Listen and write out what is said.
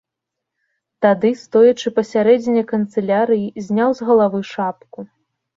Тады, стоячы пасярэдзіне канцылярыі, зняў з галавы шапку.